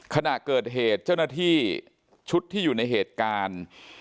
ขณะเกิดเหตุเจ้าหน้าที่ชุดที่อยู่ในเหตุการณ์